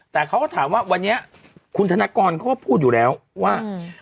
แต่เขาก็ถามว่าวันนี้คุณธนกรเขาก็พูดอยู่แล้วว่า